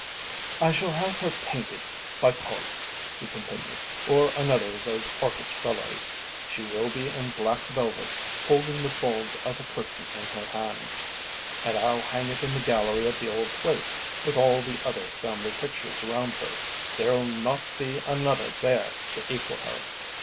"I shall have her painted by Collier," he continued, "or another of those artist fellows. She will be in black velvet, holding the folds of a curtain in her hand, and I'll hang it in the gallery at the old place, with all the other family pictures round her. There'll not be another there to equal her."